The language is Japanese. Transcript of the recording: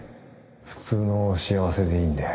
普通の幸せでいいんで